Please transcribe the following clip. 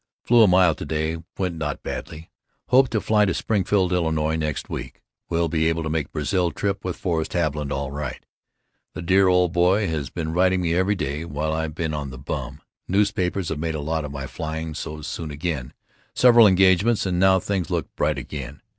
Flew a mile to day, went not badly. Hope to fly at Springfield, Ill. meet next week. Will be able to make Brazil trip with Forrest Haviland all right. The dear old boy has been writing to me every day while I've been on the bum. Newspapers have made a lot of my flying so soon again, several engagements and now things look bright again.